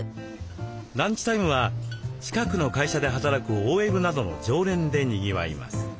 ランチタイムは近くの会社で働くＯＬなどの常連でにぎわいます。